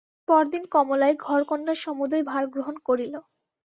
পরদিন কমলাই ঘরকন্নার সমুদয় ভার গ্রহণ করিল।